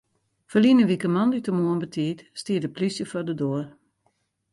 Ferline wike moandeitemoarn betiid stie de plysje foar de doar.